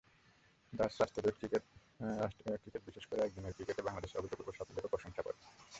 Dutch রাষ্ট্রদূত cricket বিশেষ করে একদিনের ক্রিকেটে বাংলাদেশের অভূতপূর্ব সাফল্যেরও প্রশংসা করেন।